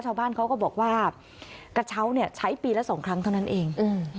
ชาวบ้านเขาก็บอกว่ากระเช้าเนี่ยใช้ปีละสองครั้งเท่านั้นเอง